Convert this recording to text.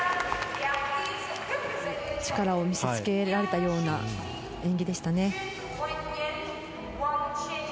力を見せつけられたような演技でしたね。